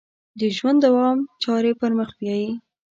د ژوند دوام چارې پر مخ بیایي.